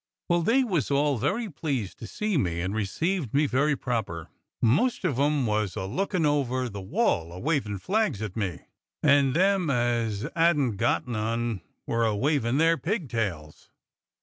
Well, they was all very pleased to see me and received me very proper. Most of 'em was a lookin' over the wall a wavin' flags at me, and them as 'adn't got none w^ere a wavin' their pigtails.